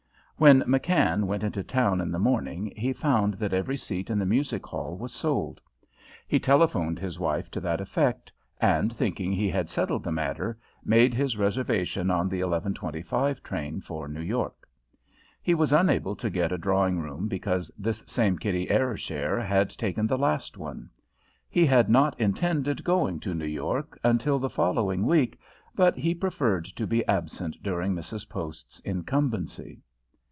When McKann went into town in the morning he found that every seat in the music hall was sold. He telephoned his wife to that effect, and, thinking he had settled the matter, made his reservation on the 11.25 train for New York. He was unable to get a drawing room because this same Kitty Ayrshire had taken the last one. He had not intended going to New York until the following week, but he preferred to be absent during Mrs. Post's incumbency.